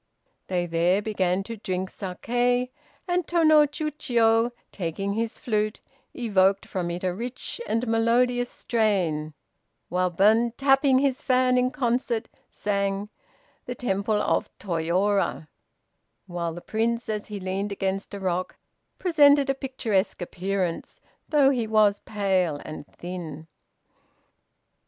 They there began to drink saké, and Tô no Chiûjiô taking his flute, evoked from it a rich and melodious strain; while Ben, tapping his fan in concert, sang "The Temple of Toyora," while the Prince, as he leaned against a rock, presented a picturesque appearance, though he was pale and thin.